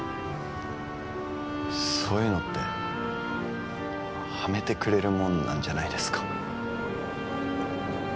そういうのってはめてくれるもんなんじゃないですか？